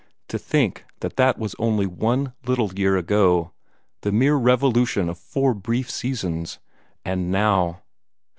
To think that that was only one little year ago the mere revolution of four brief seasons! And now